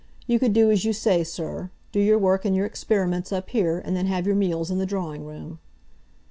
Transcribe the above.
You could do as you say, sir—do your work and your experiments up here, and then have your meals in the drawing room."